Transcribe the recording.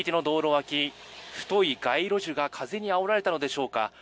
脇太い街路樹が風にあおられたのでしょうか